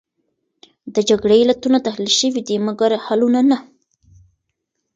د جګړې علتونه تحلیل شوې دي، مګر حلونه نه.